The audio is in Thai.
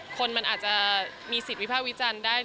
คนมันอาจจะมีสิทธิ์วิภาควิจารณ์ได้